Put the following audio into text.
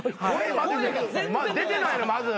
出てないのまず。